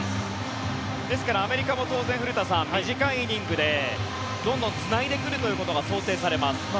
ですからアメリカも当然古田さん、短いイニングでどんどんつないでくることが想定されます。